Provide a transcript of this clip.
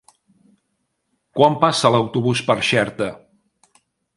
Quan passa l'autobús per Xerta?